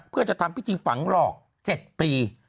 เพื่อจะทำพิธีฝังหลอก๗ปี